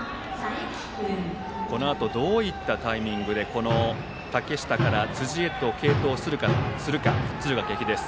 このあとどういったタイミングで竹下から辻へと継投するか敦賀気比です。